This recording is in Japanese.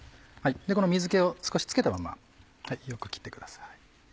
この水気を少しつけたままよく切ってください。